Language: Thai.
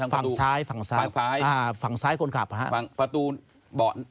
ฝั่งซ้ายฝั่งซ้ายคนขับครับ